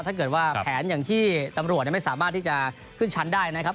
ถ้าเกิดว่าแผนอย่างที่ตำรวจไม่สามารถที่จะขึ้นชั้นได้นะครับ